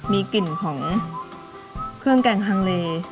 มีกลิ่นของเครื่องแกงฮังเล